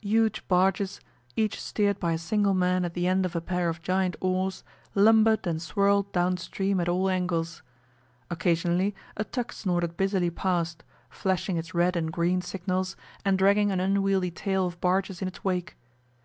Huge barges, each steered by a single man at the end of a pair of giant oars, lumbered and swirled down stream at all angles. Occasionally a tug snorted busily past, flashing its red and green signals and dragging an unwieldy tail of barges in its wake.